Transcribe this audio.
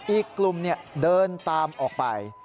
อีกกลุ่มเดินตามออกไป